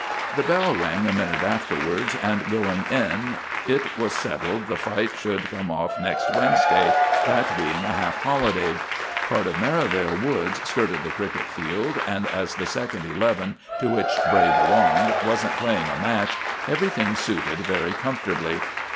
The bell rang a minute afterwards, and going in it was settled the fight should come off next Wednesday, that being a half holiday. Part of Merivale Woods skirted the cricket field, and as the second eleven, to which Bray belonged, wasn't playing a match, everything suited very comfortably.